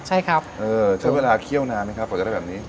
ใช่ครับใช้เวลาเคี่ยวนานไหมครับกว่าจะได้แบบนี้